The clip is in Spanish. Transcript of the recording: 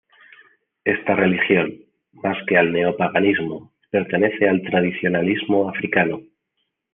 Esta religión, más que al neopaganismo, pertenece al tradicionalismo africano.